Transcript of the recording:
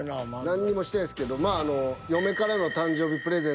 何にもしてないですけどまああの。